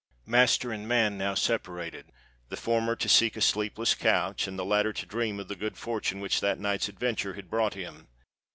Master and man now separated—the former to seek a sleepless couch, and the latter to dream of the good fortune which that night's adventure had brought him.